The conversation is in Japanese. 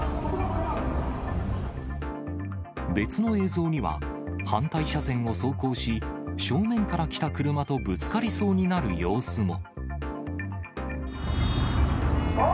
別の映像には、反対車線を走行し、正面から来た車とぶつかりそうになる様子も。